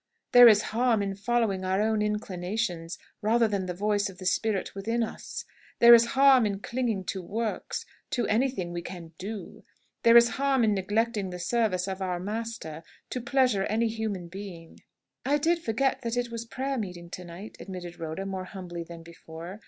There is harm in following our own inclinations, rather than the voice of the spirit within us. There is harm in clinging to works to anything we can do. There is harm in neglecting the service of our Master to pleasure any human being." "I did forget that it was prayer meeting night," admitted Rhoda, more humbly than before.